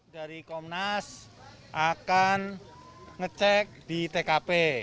dari komnas akan ngecek di tkp